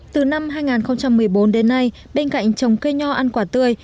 từ năm hai nghìn một mươi bốn đến nay bên cạnh trồng cây nho ăn quả tươi